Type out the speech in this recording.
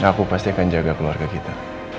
aku pasti akan jaga keluarga kita